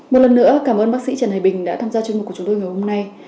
một lần nữa cảm ơn bác sĩ trần hải bình đã tham gia chương mục của chúng tôi ngày hôm nay